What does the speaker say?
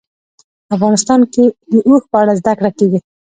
افغانستان کې د اوښ په اړه زده کړه کېږي.